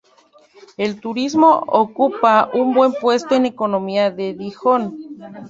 El turismo ocupa un buen puesto en la economía de Dijon.